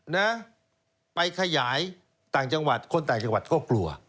นะไปขยายต่างจังหวัดคนต่างจังหวัดก็กลัว